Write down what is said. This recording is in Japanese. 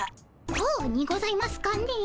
こうにございますかね。